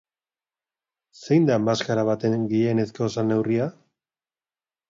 Zein da maskara baten gehienezko salneurria?